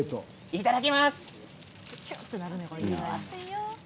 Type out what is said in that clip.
いただきます。